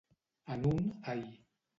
En un ai.